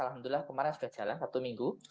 alhamdulillah kemarin sudah jalan satu minggu